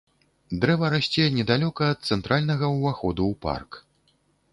Дрэва расце недалёка ад цэнтральнага ўваходу ў парк.